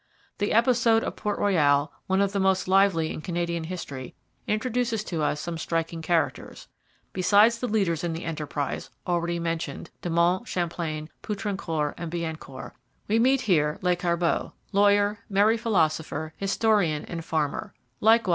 The episode of Port Royal, one of the most lively in Canadian history, introduces to us some striking characters. Besides the leaders in the enterprise, already mentioned De Monts, Champlain, Poutrincourt, and Biencourt we meet here Lescarbot, [Footnote: Lescarbot was the historian of the colony.